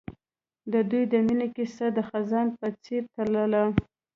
د دوی د مینې کیسه د خزان په څېر تلله.